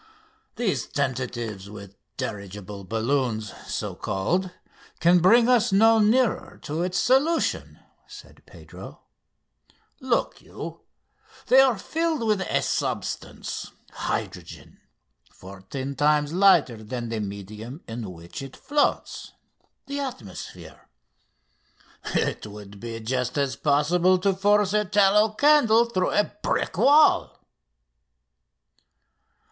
"These tentatives with dirigible balloons, so called, can bring us no nearer to its solution," said Pedro. "Look you, they are filled with a substance hydrogen fourteen times lighter than the medium in which it floats the atmosphere. It would be just as possible to force a tallow candle through a brick wall!"